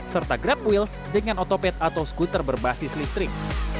serta grab wheels dengan otopet atau skuter berbasis listrik